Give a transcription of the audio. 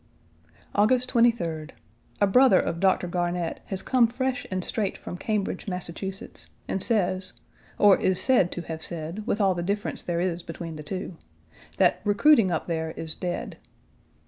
August 23d. A brother of Doctor Garnett has come fresh and straight from Cambridge, Mass., and says (or is said to have said, with all the difference there is between the two), that "recruiting up there is dead."